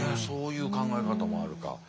そういう考え方もあるか。